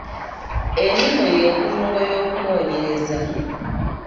Eno nno y’enkulungo y’okunoonyereza.